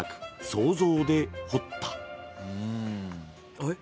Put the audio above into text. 想像で彫った。